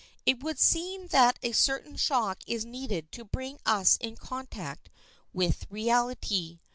It would seem that a certain shock is needed to bring us in contact with reality.